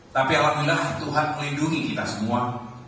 tapi alhamdulillah tuhan melindungi kita semua